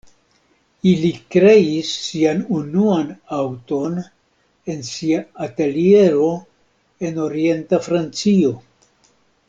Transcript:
Ili kreis sian unuan aŭton en sia ateliero en orienta Francio.